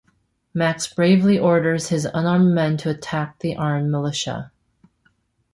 Max bravely orders his unarmed men to attack the armed militia.